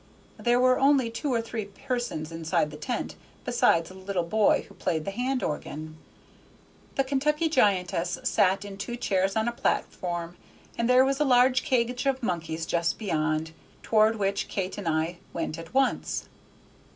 There were only two or three persons inside the tent, beside a little boy who played the hand organ. The Kentucky giantess sat in two chairs on a platform, and there was a large cage of monkeys just beyond, toward which Kate and I went at once.